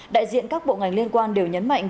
đại diện các bộ ngành liên quan đều nhấn mạnh